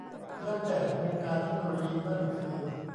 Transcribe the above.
ยักษ์ใหญ่แห่งวงการเทคโนโลยีนั่นคือ